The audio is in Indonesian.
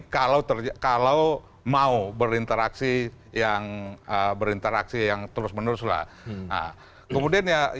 kalau terjadi kalau mau berinteraksi yang berinteraksi yang terus menerus lah nah kemudian